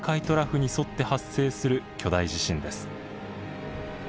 トラフに沿って発生する巨大地震です。